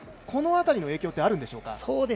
この辺りの影響ってあるんでしょうか。